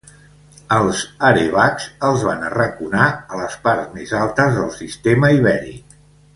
Els arevacs els van arraconar a les parts més altes del sistema Ibèric.